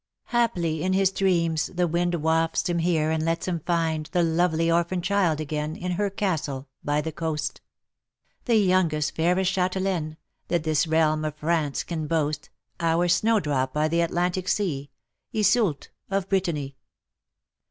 " Haply in his dreams the wind "Wafts him here and lets him find The lovely orphan child again, In her castle by the coast ; The youngest fairest chatelaine, That this realm of France can boast, Our snowdrop by the Atlantic sea, Iseult of Brittany."